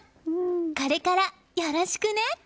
これから、よろしくね！